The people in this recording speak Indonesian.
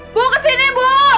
ibu kesini ibu